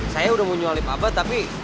saya udah mau nyual lip abad tapi